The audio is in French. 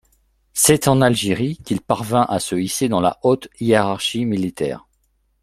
C'est en Algérie qu'il parvint à se hisser dans la haute hiérarchie militaire.